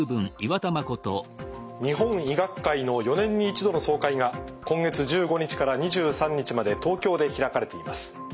日本医学会の４年に一度の総会が今月１５日から２３日まで東京で開かれています。